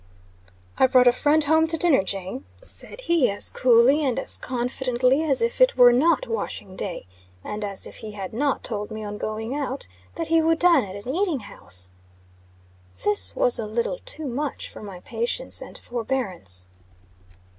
"I've brought a friend home to dinner, Jane," said he, as coolly and as confidently as if it were not washing day; and as if he had not told me on going out, that he would dine at an eating house. This was a little too much for my patience and forbearance.